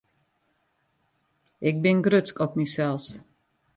Ik bin grutsk op mysels.